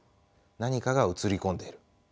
何かが映り込んでいる。